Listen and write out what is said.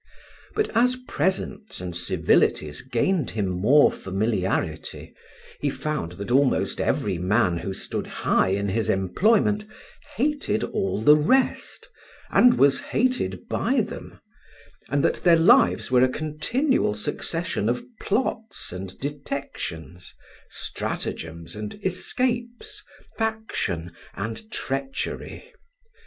But as presents and civilities gained him more familiarity, he found that almost every man who stood high in his employment hated all the rest and was hated by them, and that their lives were a continual succession of plots and detections, stratagems and escapes, faction and treachery.